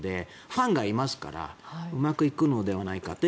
ファンがいますからうまくいくのではないかと。